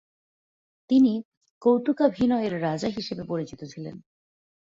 তিনি "কৌতুকাভিনয়ের রাজা" হিসেবে পরিচিত ছিলেন।